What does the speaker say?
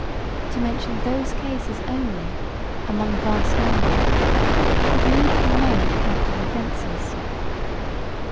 to mention those cases only among a vast number, had need to be made capital offences.